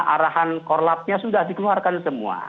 arahan korlapnya sudah dikeluarkan semua